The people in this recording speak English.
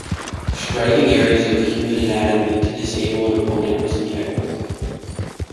Striking areas of the human anatomy to disable an opponent was integral.